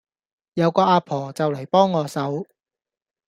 有個阿婆就嚟幫我手